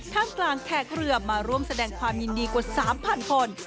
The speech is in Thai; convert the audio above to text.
กลางแขกเรือมาร่วมแสดงความยินดีกว่า๓๐๐คน